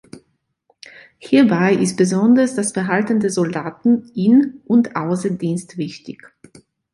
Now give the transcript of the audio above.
Hierbei ist besonders das Verhalten der Soldaten in und außer Dienst wichtig.